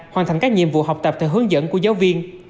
hoàn thành các nhiệm vụ học tập theo hướng dẫn của giáo viên